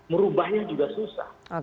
merubahnya juga susah